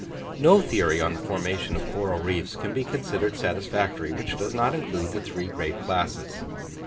No theory on the formation of coral reefs can be considered satisfactory which does not include the three great [picture] classes.